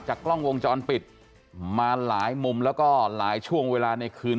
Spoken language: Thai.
กล้องวงจรปิดมาหลายมุมแล้วก็หลายช่วงเวลาในคืน